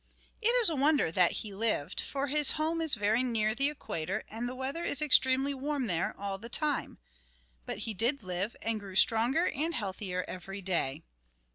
It is a wonder that he lived, for his home is very near the equator and the weather is extremely warm there all the time. But he did live, and grew stronger and healthier every day.